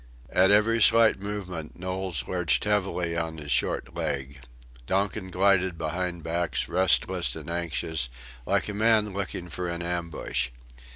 At every slight movement Knowles lurched heavily on his short leg. Donkin glided behind backs, restless and anxious, like a man looking for an ambush.